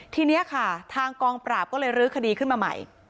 ทีนี้ค่ะทางกองปราบก็เลยรื้อคดีขึ้นมาใหม่